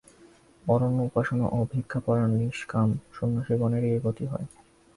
অরণ্যে উপাসনা ও ভিক্ষাপরায়ণ নিষ্কাম সন্ন্যাসিগণেরই এই গতি হয়।